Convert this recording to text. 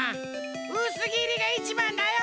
うすぎりがいちばんだよ。